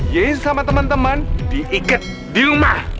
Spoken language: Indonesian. ye sama temen temen diikat di rumah